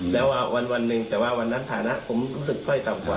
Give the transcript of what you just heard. แล้ววันหนึ่งแต่ว่าวันนั้นฐานะผมรู้สึกค่อยต่ำกว่า